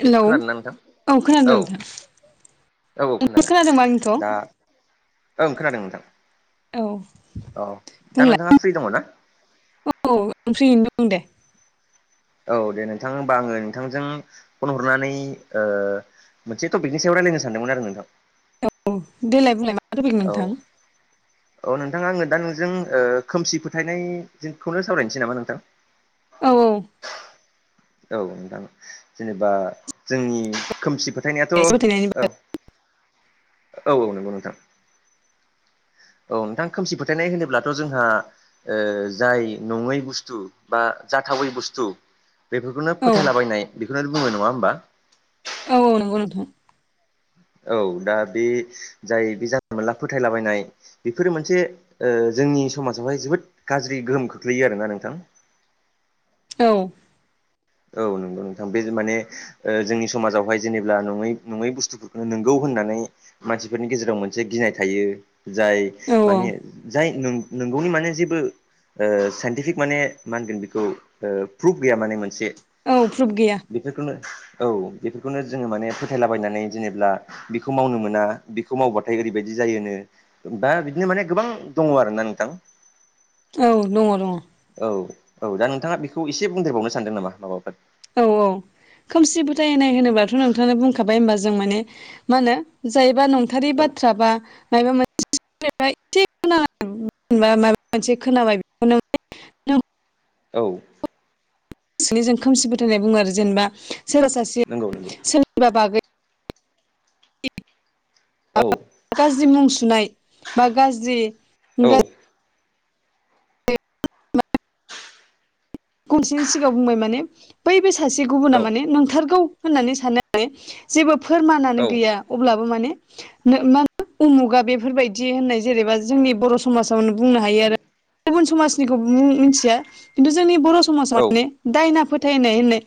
Hello औ खोनादोंना नोंथां। खोनादों औ नोंथां औ औ नोंथाङा खोनादों। खोनादोंबा आंनिखौ दा ओं खोनादों नोंथां। औ। औ‌। दा बुंलाय नोंथाङा फ्रि दङ ना? औ फ्रियैनो दं दे। औ दे नोंथां होमबा आङो नोंथांजों फन हरनानै ओ मोनसे टपिकनि सायाव रायलायनो सानदोंमोन आरो नोंथां। औ औ देलाय बुंलाय मा टपिक नोंथां औ। औ नोंथाङा आङो दा नोंजों ओ खोमसि फोथायनायखौनो सावरायनोसै नामा नोंथां। औ औ। औ नोंथां जेनेबा जोंनि खोमसि फोथायनायाथ' फोथायनायनि औ। औ औ नंगौ नोंथां। औ नोंथां खोमसि फोथायनाय होनोब्लाथ' जोंहा जाय नङै बुस्थु बा जाथावै बुस्थु बेफोरखौनो बागै औ फोथायलाबायनाय बेखौनो बुङो नङा होमबा। औ औ नंगौ नोंथां। औ दा बे जाय बे जानला मोनला फोथायलाबायनाय बेफोरो मोनसे जोंनि समाजावहाय जोबोद गाज्रि गोहोम खोख्लैयो आरोना नोंथां। औ। औ नोंगौ नोंथां। बे माने जोंनि समाजावहाय जेनेबा नङै नङै बुस्थुफोरखौनो नोंगौ होननानै मानसिफोरनि गेजेराव मोनसे गिनाय थायो जाय औ औ माने जाय नों-नोंगौनि माने जेबो साइन्टिफिक माने मा होनगोन बेखौ प्रुफ गैया माने मोनसे औ प्रुफ गैया बेफोरखौनो औ बेफोरखौनो जोङो माने फोथायलाबायनानै जेनेबब्ला बेखौ मावनो मोना बेखौ मावबाथाय ओरैबायदि जायोनो दा बिदिनो माने गोबां दङ आरो ना नोंथां। औ दङ दङ। औ औ दा नोंथाङा बेखौ एसे बुंदेरबावनो सानदों नामा माबाफोर औ औ खोमसि फोथाय होनाय होनोब्लाथ' नोंथाङा बुंखाबाय होमबा जों माने मा होनो। जायबा नंथारारि औ बाथ्रा बा मायाबा मोन [unintelligible] [unintelligible] औ निजों खोमसि फोथाय होननाय बुङो आरो जेनेबा सोरबा सासे नंगौ नंगौ। बा बागै औ गाज्रि मुं सुनाय बा गाज्रि औ। गुबुन सासेनि सिगाङाव बुंबाय माने बैबो सासे गुबुना औ माने नंथारगौ होननानै सानो [inaudible] जेबो फोरमानानो औ गैया। अब्लाबो माने [unintelligible] उमुगा बेफोरबायदि होननाय जेनेबा जोंनि बर' समाजाव बुंनो हायो आरो, गुबुन समाजनिखौ मिथिया खिन्थु जोंनि बर' समाजा औ माने दायना फोथायनाय होननाय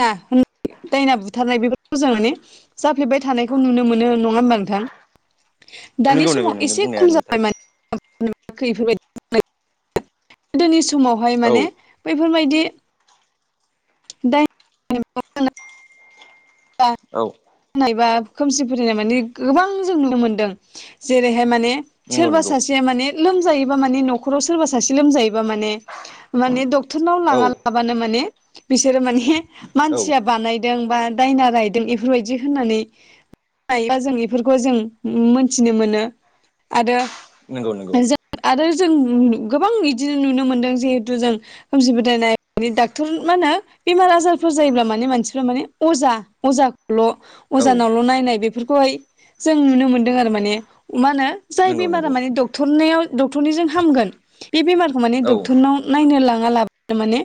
दायना [unintelligible] दायना बुथारनाय बे मोजां माने जाफ्लेबाय थानायखौ नुनो मोनो नङा होमबा नोंथां। दानि नंगौ नंगौ समाव नोंनि एसे बुंनाया खम नोंथार जाबाय माने [unintelligible] गोदोनि समावहाय माने औ बैफोरबायदि [unintelligible] औ नाय बा खोमसि फोथायनाय माने गोबां जों नुनो मोनदों, जेरैहाय माने नंगौ सोरबा नंगौ सासेया माने लोमजायोबा माने न'खराव सोरबा सासे लोमजायोबा माने माने डक्टरनाव औ लाङा लाबानो माने बिसोरो माने औ मानसिया बानाय दों बा दायना रायदों बेफोरबायदि होननानै बा जों बेफोरखौ जों मोनथिनो मोनो आरो नंगौ नंगौ। जों आरो जों गोबां बिदिनो नुनो मोनदों जिहेथु जों खोमसि फोथायनाय डाक्टर मा होनो? बेमार आजारफोर जायोब्ला माने मानसिफ्रा माने अजा अजाखौल' औ अजानावल' नायनाय बे बिखैहाय जों नुनो मोनदों आरो माने मा होनो जाय नंगौ बेमारा नंगौ माने दख डक्टरनायाव डक्टरनिजों हामगोन, बे बेमारखौ माने औ डक्टरनाव नायनो लाङा लाबो माने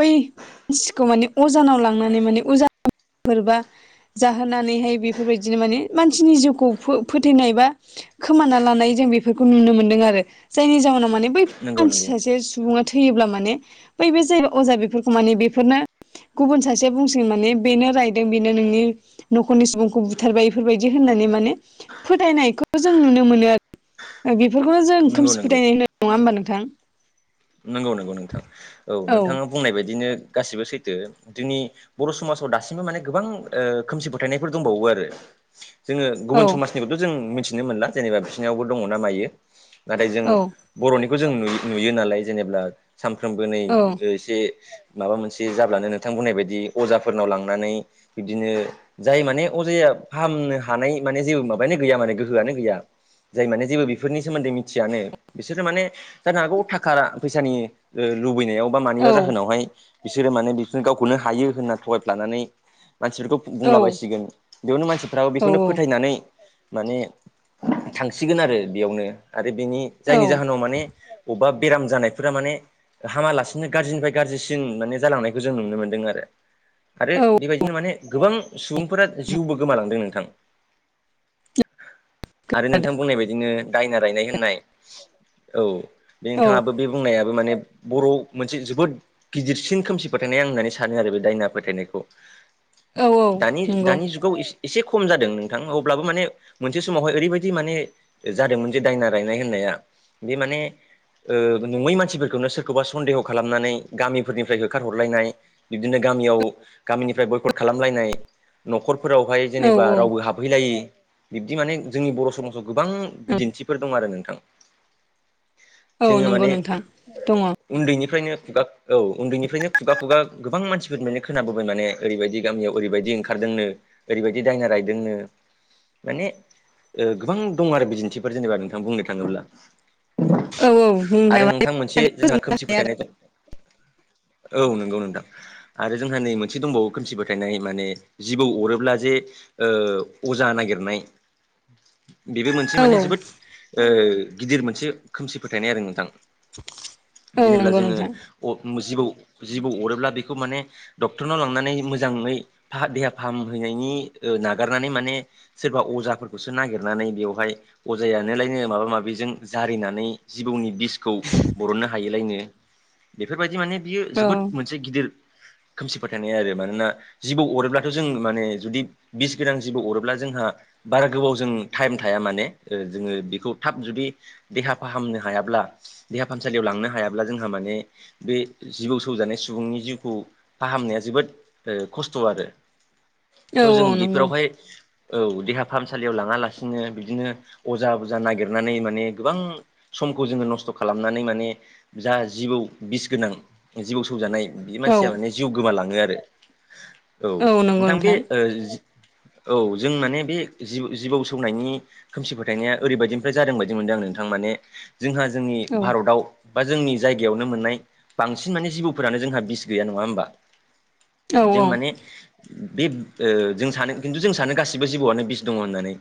बै मानसिखौ माने अजानाव लांनानै माने अजाफोरबा जाहोनानैहाय बेफोरबायदिनो माने मानसिनि जिउखौ फो-फोथायैनाय बा खोमाना लानाय जों बेफोरखौ नुनो मोनदों आरो। जायनि जाउनाव माने बै नंगौ नंगौ मानसि सासे सुबुङा थैयोब्ला माने बै बे जाय अजा बेफोरखौ माने बे बेफोरनो गुबुन सासेया बुंसिगोन माने बेनो रायदों बेनो नोंनि न'खरनि सुबुंखौ बुथारबाय बेफोरबायदि होननानै माने फोथायनायखौ जों नुनो मोनो आरो ओ बेफोरखौनो जों नंगौ खोमसि फोथायनाय होनो नङा होमबा नोंथां? नंगौ नंगौ नोंथां औ नोंथाङा बुंनाय बायदिनो गासिबो सैथो जोंनि बर' समाजाव दासिमबो माने गोबां ओ खोमसि फोथायनायफोर दंबावो आरो। जोङो औ गुबुन समाजनिखौथ' जों मिथिनो मोनला जेनेबा बिसोरनियावबो दङना मायो। नाथाय जों औ बर'निखौ जों नुयो नुयो नालाय जेनेबा सानफ्रोमबो नै औ जे माबा मोनसे जाब्लानो नोंथां बुंनाय बायदि अजाफोरनाव लांनानै बिबदिनो जाय माने अजाया फाहामनो हानाय माने जेबो माबायानो गैया माने गोहोआनो गैया जाय माने जेबो बेफोरनि सोमोन्दै मिथियानो बिसोरो माने जानो हागौ थाखा फैसानि ओ लुबैनायाव बा औ मानिबा जाहोनावहाय बिसोरो माने बिसोर गावखौनो हायो होनना थगायफ्लानानै मानसिफोरखौ बुंलाबायसिगोन बेयावनो मानसिफ्राबो बेखौनो औ फोथायनानै माने थांसिगोन आरो बेयावनो आरो बिनि जायनि औ जाहोनाव माने बबेबा बेराम जानाय फोरा माने हामालासिनो गाज्रिनिफ्राय गाज्रिसिन माने जालांनायखौ जों नुनो मोन्दों आरो आरो बेबायदिनो माने गोबां सुबुंफोरा जिउबो गोमालांदों नोंथां [inaudible] आरो नोंथां बुंनाय बायदिनो दायना रायनाय होननाय औ बे औ औ नोंथाङाबो बे बुंनायाबो माने बर' मोनसे जोबोद गिदिरसिन खोमसि फोथायनाय आं होननानै सानो आरो बे दायना फोथायनायखौ। औ दानि नंगौ दानि जुगाव एसे एसे खम जादों नोंथां अब्लाबो माने मोनसे समावहाय ओरैबायदि माने जादोंमोन जे दायना रायनाय होननाया बे माने ओ नङै मानसिफोरखौनो सोरखौबा सन्देह खालामनानै गामिफोरनिफ्राय होखारहरलायनाय बिबदिनो गामियाव गामिनिफ्राय बयकट खालामलायनाय न'खरफोरावहाय औ जेनेबा औ रावबो हाबहैलायो बिब्दि माने जोंनि बर' समाव गोबां बिदिन्थिफोर दं आरो नोंथां औ जोङो नंगौ माने नोंथां दङ। उन्दैनिफ्रायनो खुगा औ उन्दैनिफ्रायनो खुगा खुगा गोबां मानसिफोर माने खोनाबोबाय माने ओरैबायदि गामियाव ओरैबायदि ओंखारदोंनो ओरैबायदि दायना रायदोंनो माने ओ गोबां दं आरो बिदिन्थिफोर जेनेबा नोंथां बुंनो थाङोब्ला औ औ बुंनो आरो थाङोबा नोंथां मोनसे जोंहा फोजोबनो खोमसि हाया फोथायनाय दं औ नंगौ नोंथां। आरो जोंहा नै मोनसे दंबावो खोमसि फोथायनाय माने जिबौ अरोब्ला जे ओ अजा नागिरनाय बेबो मोनसे माने आरो जोबोद ओ गिदिर मोनसे खोमसि फोथायनाय आरो नोंथां। औ जेनेब्ला नंगौ जोङो नोंथां ओ जिबौ जिबौ अरोब्ला बेखौ माने डक्टरनाव लांनानै मोजाङै देहा फाहामहैनायनि ओ नागारनानै माने सोरबा अजाफोरखौसो नागिरनानै बेवहाय अजायानोलायनो माबा माबिजों जारिनानै जिबौनि बिस खौ बरननो हायिलायनो बेफोरबायदि माने बियो औ जोबोद मोनसे गिदिर खोमसि फोथायनाया आरो मानोना जिबौ अरोब्लाथ' जों माने जुदि बिस गोनां जिबौ अरोब्ला जोंहा बारा गोबाव जों टाइम थाया माने ओ जोङो बेखौ थाब जुदि देहा फाहामनो हायाब्ला देहा फाहामसालियाव लांनो हायाब्ला जोंहा माने बे जिबौ सौजानाय सुबुंनि जिउखौ फाहामनाया जोबोद ओ खस्थ' आरो औ थ' जों औ नंगौ बेफोरावहाय औ देहा फाहामसालियाव लाङा लासिनो बिदिनो अजा बजा नागिरनानै माने गोबां समखौ जोङो नस्थ' खालामनानै माने जा जिबौ बिस गोनां जिबौ सौजानाय बि औ मानसिया माने जिउ गोमालाङो आरो औ नोंथां बे ओ औ जों माने बे जि-जिबौ सौनायनि खोमसि फोथायनाया ओरैबायदिनिफ्राय जादों बायदि मोनदों आं नोंथां माने जोंहा जोंनि औ भारताव बा जोंनि जायगायावनो मोननाय बांसिन माने जिबौफोरानो जोंहा बिस गैया नङा होमबा औ जों माने बे ओ जों सानो खिन्थु जों सानो गासिबो जिबौआनो बिस दङ होननानै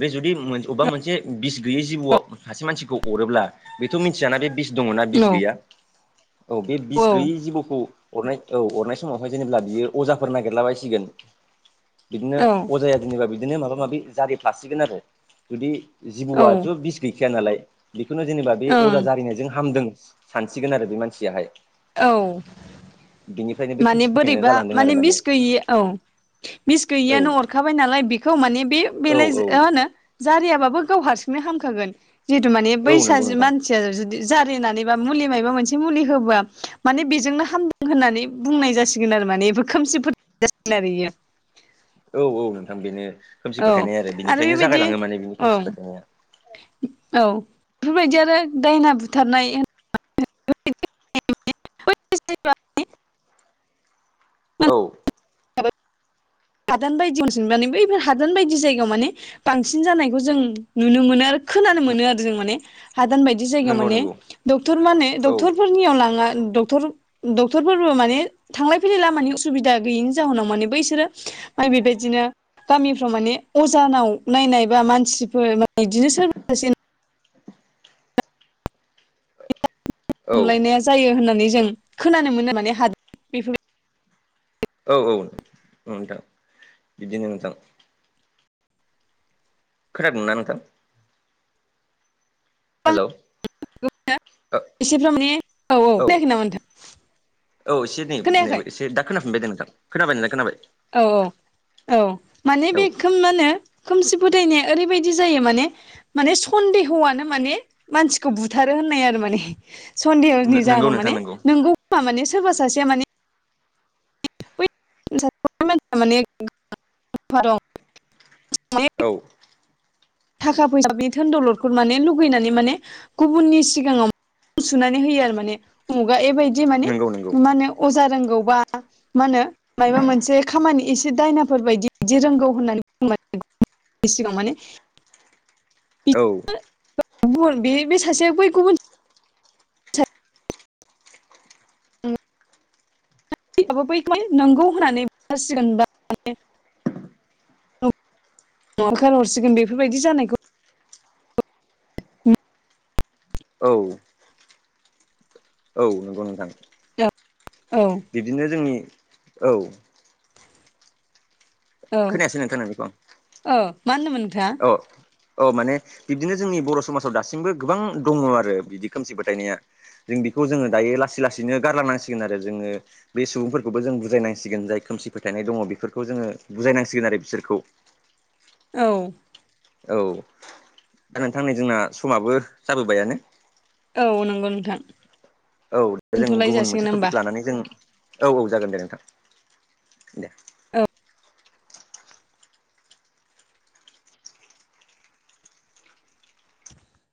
बे जुदि अबेबा मोनसे बिस गैयै जिबौआव सासे मानसिखौ अरोब्ला बेथ' मिथियाना बे बिस दङना बिस गैया औ बे बिस गैयै जिबौखौ अरनाय औ अरनाय समावहाय जेनेब्ला बियो अजाफोर नागिरलाबायसिगोन बिदिनो अजाया जेनेबा बिदिनो माबा माबि जारिफ्लासिगोन आरो जुदि औ जिबौआथ' औ बिस गैखाया नालाय बेखौनो जेनेबा बे ओं अजा जारिनायजों हामदों सानसिगोन आरो बे मानसियाहाय। औ बिनिफ्रायनो बे माने खोमसि फोथायनाया बोरैबा जालांदों आरो माने बिस गैयि औ मिस औ गैयिआनो अरखाबाय नालाय बेखौ माने बे औ बेलाय मा होनो जारियाबाबो गाव हारसिंनो हामखागोन जिहेतु माने औ नंगौ बैसाज नोंथां मान सिया जुदि जारिनानैबा मुलि मबा मोनसे मुलि होबा माने बेजोंनो हामदों होननानै बुंनाय जासिगोन आरो माने बेफोर खोमसिफोथ [inaudible] जासिगोन आरो इयो। औ औ नोंथां बेनो खोमसि औ फोथायनाय आरो बेनिफ्रायनो जागायलाङो माने बेनि औ खोमसि फोथायनाया। औ बेफोरबायदियानो दायना बुथारनाय [inaudible] औ [unintelligible] हादान बायदि [unintelligible] बैफोर हादान बायदि जायगायाव माने बांसिन जानायखौ जों नुनो मोनो। खोनानो मोनो आरो जों माने हादान बाय दि जायगायाव नंगौ माने नंगौ डक्टर माने औ डक्टर फोरनियाव लाङा डक्टर डक्टरफोरबो माने थांलाय फैलाय लामानि उसुबिदा गैयिनि जाहोनाव माने बैसोरो बेबायदिनो गामिफ्राव माने अजानाव नायनायबा मानसिफोर माने बिदिनो [unintelligible] औ खमलायनाया जायो होननानै जों खोनानो मोनो माने हाद औ औ नोंथां बिदिनो नोंथां। खोनादोंना नोंथां। [inaudible] औ हेल' औ खोनायाखै औ नामा नोंथां? औ एसे नै खोनायाखै एसे दा खोनाफिनबाय दा नोंथां खोनाबाय नोंलाय खोनाबाय औ औ औ माने औ बे खोम मा होनो खोमसि फोथायनाया ओरैबायदि जायो माने माने सन्देह'आनो माने मानसिखौ बुथारो होननाय आरो माने सन्देह'नि नोंगौ जाहोनाव नोंथां माने नोंगौ खोमा माने सोरबा सासेया माने [inaudible] माने दं [unintelligible] औ थाखा फैसा बे धोन दौलदखौ माने लुगैनानै माने गुबुननि सिगाङाव सुनानै होयो आरो माने उमुगा एबायदि माने नोंगौ नोंगौ मा होनो अजा रोंगौ बा मा होनो मायाबा मोनसे खामानि एसे दायनाफोर बायदि बिदि रोंगौ होननानै बुंङो [inaudible] सिगाङाव माने औ [inaudible] गुबुन बे सासे बै गुबुन सासेयाबो [unintelligible] [inaudible] नंगौ होननानै बुंसिगोन [inaudible] होखार हरसिगोन बेफोरबायदि जानायखौ [inaudible] औ औ नंगौ नोंथां। औ बिदिनो जोंनि औ खोनायासै नोंथां नोंनिखौ ओ मा होनदोंमोन नोंथाङा औ औ माने बिब्दिनो जोंनि बर' समाजाव दासिमबो गोबां दङ आरो बिदि खोमसि फोथायनाया। जों बेखौ जोङो दायो लासै लासैनो गारलांनांसिगोन आरो जोङो बे सुबुंफोरखौबो जों बुजायनांसिगोन जाय खोमसि फोथायनाय दङ बेफोरखौ जोङो बुजायनांसिगोन आरो बिसोरखौ। औ। औ। दा नोंथां नै जोंना समाबो जाबोबायानो। औ नंगौ नोंथां। औ दा जों दोनथ'लाय गुबुन जासिगोन मोनसे होमबा टपिक लानानै जों औ औ जागोन दे नोंथां दे।